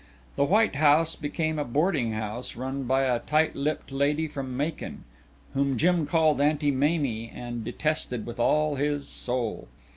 The white house became a boarding house run by a tight lipped lady from Macon, whom Jim called Aunt Mamie and detested with all his soul.